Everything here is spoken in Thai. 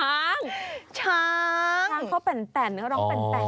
ช้างช้างช้างเขาเป็นแต่นเขาร้องเป็นแต่น